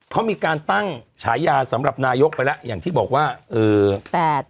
เขามีการตั้งฉายาสำหรับนายกไปแล้วอย่างที่บอกว่าเอ่อแปด